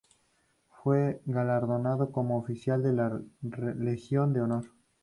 Fue galardonado como Oficial de la Legión de Honor.